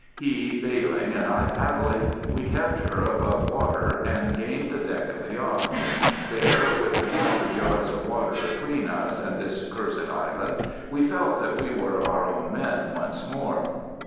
He bailing and I paddling we kept her above water, and gained the deck of the yacht. There, with two hundred yards of water between us and this cursed island, we felt that we were our own men once more.